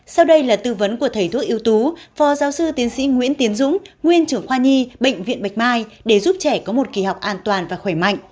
sau đây là tư vấn của thầy thuốc ưu tú phó giáo sư tiến sĩ nguyễn tiến dũng nguyên trưởng khoa nhi bệnh viện bạch mai để giúp trẻ có một kỳ học an toàn và khỏe mạnh